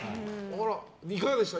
いかがでした？